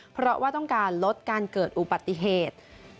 เพราะว่าต้องการลดการเกิดอุบัติเหตุ